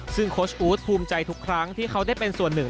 ซึ่งโค้ชอู๊ดภูมิใจทุกครั้งที่เขาได้เป็นส่วนหนึ่ง